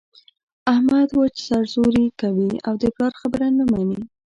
احمد وچه سر زوري کوي او د پلار خبره نه مني.